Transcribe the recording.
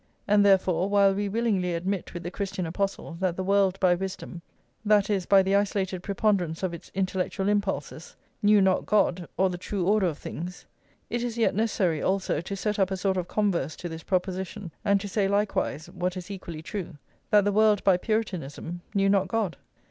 And therefore, while we willingly admit with the Christian apostle that the world by wisdom, that is, by the isolated preponderance of its intellectual impulses, knew not God, or the true order of things, it is yet necessary, also, to set up a sort of converse to this proposition, and to say likewise (what is equally true) that the world by Puritanism knew not God.